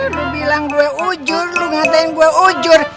lu bilang gua hujur lu ngatain gua hujur